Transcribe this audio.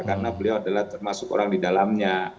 karena beliau adalah termasuk orang di dalamnya